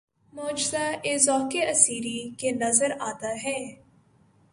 مُژدہ ، اے ذَوقِ اسیری! کہ نظر آتا ہے